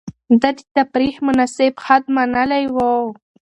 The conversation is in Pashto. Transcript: ده د تفريح مناسب حد منلی و.